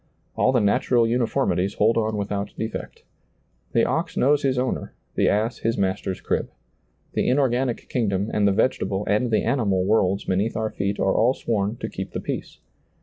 All the natural uniformities hold on without defect. The ox knows his owner, the ass his master's crib. The inorganic kingdom and the vegetable and the animal worlds beneath our feet are all sworn to keep the peace.